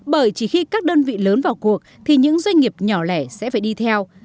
bởi chỉ khi các đơn vị lớn vào cuộc thì những doanh nghiệp nhỏ lẻ sẽ phải đi theo